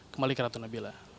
kembali ke ratu nabila